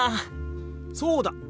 そうだ！